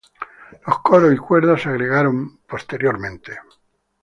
Los coros y cuerdas se agregaron más tarde.